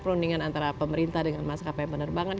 perundingan antara pemerintah dengan maskapai penerbangan